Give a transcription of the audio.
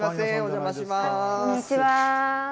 こんにちは。